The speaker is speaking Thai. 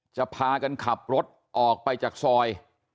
จะพากันขับรถออกไปจากซอย